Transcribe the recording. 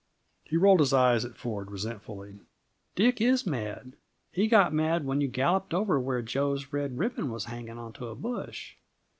He rolled his eyes at Ford resentfully. "Dick is mad! He got mad when you galloped over where Jo's red ribbon was hanging onto a bush.